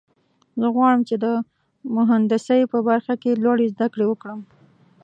زه غواړم چې د مهندسۍ په برخه کې لوړې زده کړې وکړم